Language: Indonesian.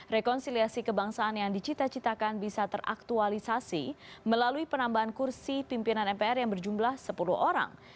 rekonsiliasi kebangsaan yang dicita citakan bisa teraktualisasi melalui penambahan kursi pimpinan mpr yang berjumlah sepuluh orang